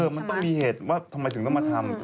มันต้องมีเหตุว่าทำไมถึงต้องมาทำ